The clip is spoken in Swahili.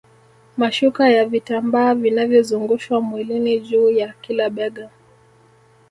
Mashuka na vitambaa vinavyozungushwa mwilini juu ya kila bega